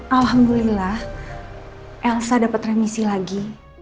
alhamdulillah elsa dapat remisi lagi